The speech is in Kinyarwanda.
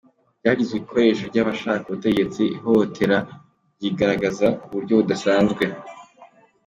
"Ryagizwe igikoresho cy’abashaka ubutegetsi, ihohotera ryigaragaza ku buryo budasanzwe.